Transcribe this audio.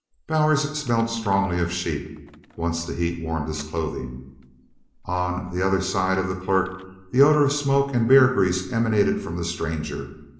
Bowers smelled strongly of sheep, once the heat warmed his clothing. On the other side of the clerk the odor of smoke and bear grease emanated from the stranger.